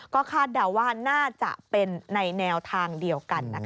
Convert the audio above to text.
ก็คาดเดาว่าน่าจะเป็นในแนวทางเดียวกันนะคะ